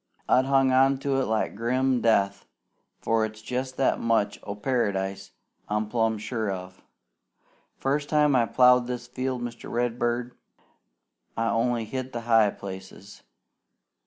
I've hung on to it like grim death, for it's jest that much o' Paradise I'm plumb sure of. First time I plowed this field, Mr. Redbird, I only hit the high places.